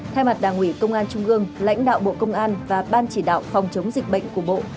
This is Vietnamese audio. thay mặt đảng ủy công an trung ương lãnh đạo bộ công an và ban chỉ đạo phòng chống dịch bệnh của bộ